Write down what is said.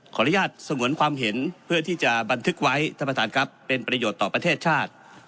ขออนุญาตสงวนความเห็นเพื่อที่จะบันทึกไว้ท่านประธานครับเป็นประโยชน์ต่อประเทศชาติ